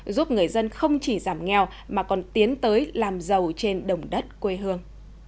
giúp người dân không chỉ giảm nghèo mà còn tiến tới làm giàu trên đồng đất quê hương